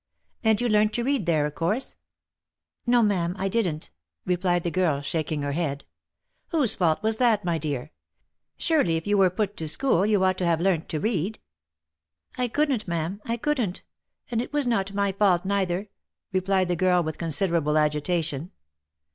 " And you learnt to read there of course?" " No, ma'am, I didn't;" replied the girl, shaking her head. " Whose fault was that, my dear ?— Surely if you were put to school, you ought to have learnt to read !" OF MICHAEL ARMSTRONG. 155 " I couldn't, ma'am, I couldn't — and it was not my fault neither," replied the girl with considerable agitation.